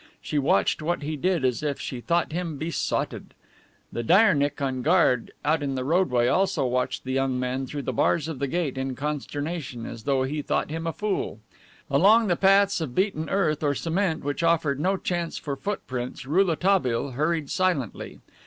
She watched what he did as if she thought him besotted. The dyernick on guard out in the roadway also watched the young man through the bars of the gate in consternation, as though he thought him a fool. Along the paths of beaten earth or cement which offered no chance for footprints Rouletabille hurried silently.